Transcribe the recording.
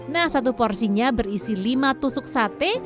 nah satu porsinya berisi lima tusuk sate